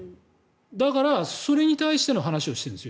だから、それに対しての話をしてるんです。